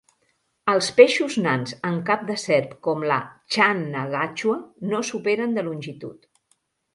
Els peixos nans amb cap de serp, com la "channa gachua", no superen de longitud.